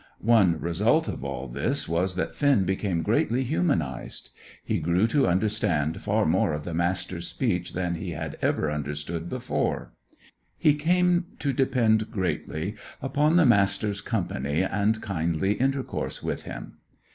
One result of all this was that Finn became greatly humanised. He grew to understand far more of the Master's speech than he had ever understood before; he came to depend greatly upon the Master's company and kindly intercourse with him.